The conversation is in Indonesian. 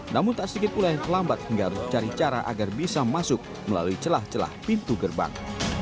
namun tak sedikit pula yang terlambat hingga harus cari cara agar bisa masuk melalui celah celah pintu gerbang